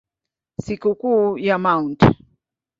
Sikukuu ya Mt.